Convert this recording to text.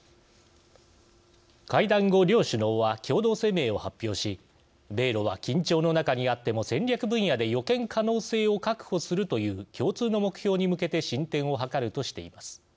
会談後、両首脳は共同声明を発表し米ロは「緊張の中にあっても戦略分野で予見可能性を確保するという共通の目標に向けて進展を図る」としています。